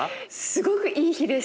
すごくいい日でした。